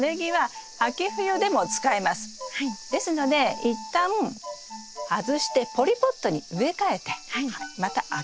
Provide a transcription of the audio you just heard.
ですので一旦外してポリポットに植え替えてまた秋冬でも使いましょう。